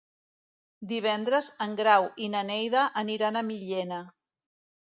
Divendres en Grau i na Neida aniran a Millena.